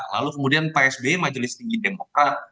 lalu kemudian psb majelis tinggi demokrat